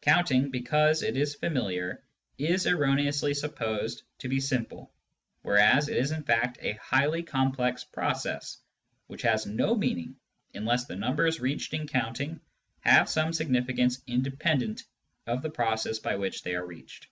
Counting, because.it is familiar, is erroneously supposed to be simple, whereas it is in fact a highly complex process, which has no meaning unless the numbers reached in counting have some significance independent of the process by which they are reached.